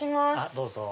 どうぞ。